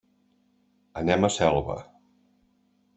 Anem a Selva.